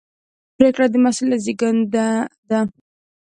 پرېکړه د مسؤلیت زېږنده ده.